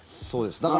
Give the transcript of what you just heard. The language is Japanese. そうです。